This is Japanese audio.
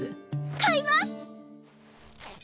買います！